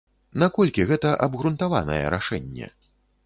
Наколькі гэта абгрунтаванае рашэнне?